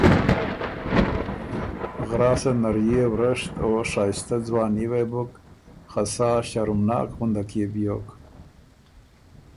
غراسه نريې ورشت او شائستۀ ځواني وې بُک، خه سا ݭرمناک غندک يې بیوک۔